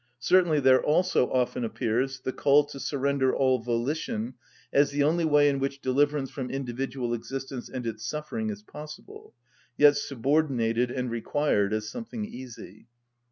Certainly there also often appears the call to surrender all volition as the only way in which deliverance from individual existence and its suffering is possible, yet subordinated and required as something easy.